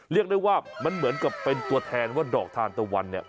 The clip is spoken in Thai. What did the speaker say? เรียกได้ว่ามันเหมือนกับเป็นตัวแทนว่าดอกทานตะวันเนี่ย